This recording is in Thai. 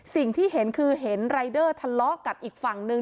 สิ่งที่เห็นคือเห็นรายเดอร์ทะเลาะกับอีกฝั่งนึง